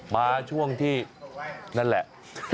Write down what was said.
มาช่วงที่นั่นแหละ